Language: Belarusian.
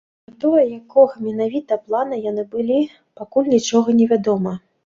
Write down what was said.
Пра тое, якога менавіта плана яны былі, пакуль нічога не вядома.